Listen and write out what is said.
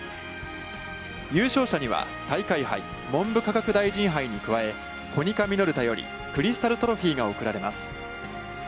優勝者には大会杯、文部科学大臣杯に加えコニカミノルタよりクリスタルトロフィーが贈られます